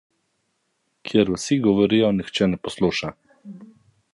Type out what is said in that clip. Kjer vsi govorijo, nihče ne posluša.